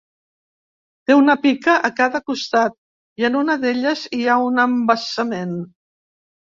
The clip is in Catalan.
Té una pica a cada costat i, en una d'elles, hi ha un embassament.